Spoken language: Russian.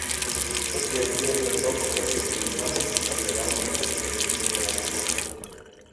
После отъезда доктора Сергей Иванович пожелал ехать с удочкой на реку.